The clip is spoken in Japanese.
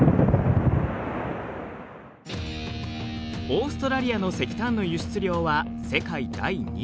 オーストラリアの石炭の輸出量は世界第２位。